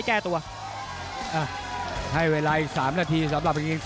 มั่นใจว่าจะได้แชมป์ไปพลาดโดนในยกที่สามครับเจอหุ้กขวาตามสัญชาตยานหล่นเลยครับ